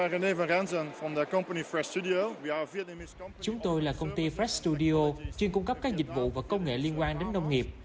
chúng tôi là công ty fresh studio chuyên cung cấp các dịch vụ và công nghệ liên quan đến nông nghiệp